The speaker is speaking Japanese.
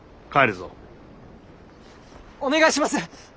お願いします！